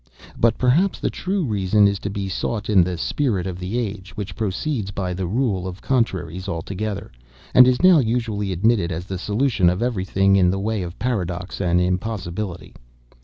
But, perhaps, the true reason is to be sought in the spirit of the age, which proceeds by the rule of contraries altogether, and is now usually admitted as the solution of every thing in the way of paradox and impossibility.